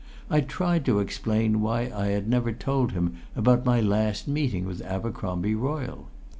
I tried to explain why I had never told him about my last meeting with Abercromby Royle.